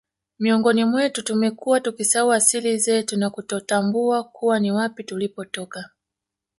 Miongoni mwetu tumekuwa tukisahau asili zetu na kutotambua kuwa ni wapi tulipotoka